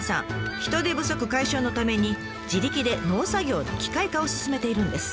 人手不足解消のために自力で農作業の機械化を進めているんです。